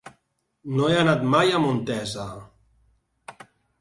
No he anat mai a Montesa.